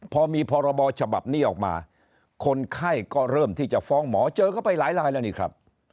พอมีพรบฉบับนี้ออกมาคนไข้ก็เริ่มที่จะฟ้องหมอเจอเข้าไปหลายลายแล้วนี่ครับ